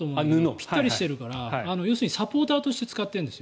ぴったりしているからサポーターとして使っているんですよ。